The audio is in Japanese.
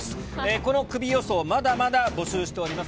このクビ予想、まだまだ募集しております。